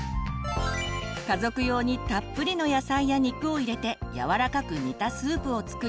家族用にたっぷりの野菜や肉を入れてやわらかく煮たスープを作り